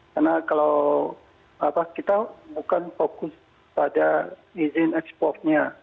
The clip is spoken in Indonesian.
karena kalau kita bukan fokus pada izin